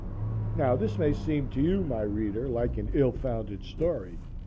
Now, this may seem to you, my reader, like an ill founded story.